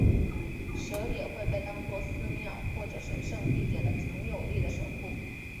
蛇也会被当做寺庙或者神圣地点的强有力的守护。